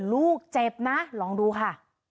ลูกเจ็บนะลองดูค่ะ